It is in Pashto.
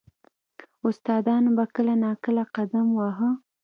• استادانو به کله نا کله قدم واهه.